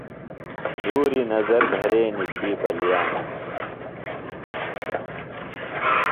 دُھوری نظر دھرینیۡ تھی بلیِیم۔